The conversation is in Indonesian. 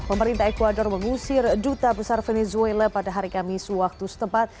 pemerintah ecuador mengusir duta besar venezuela pada hari kamis waktu setempat